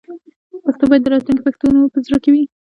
پښتو باید د راتلونکي پښتنو په زړه کې وي.